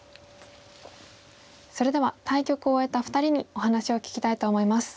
それでは対局を終えた２人にお話を聞きたいと思います。